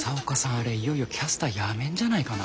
あれいよいよキャスター辞めんじゃないかな？